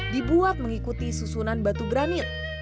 dibuat mengikuti susunan batu granit